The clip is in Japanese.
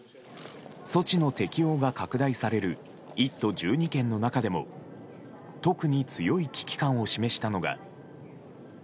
措置の適用が拡大される１都１２県の中でも特に強い危機感を示したのが。